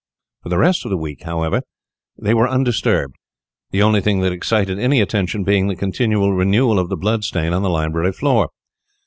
For the rest of the week, however, they were undisturbed, the only thing that excited any attention being the continual renewal of the blood stain on the library floor.